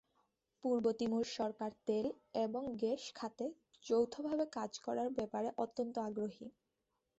পূর্ব Timor সরকার তেল এবং গ্যাস খাতে যৌথভাবে কাজ করার ব্যাপারে অত্যন্ত আগ্রহী।